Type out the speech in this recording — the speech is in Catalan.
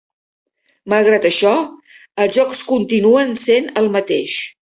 Malgrat això, els jocs continuen sent el mateix.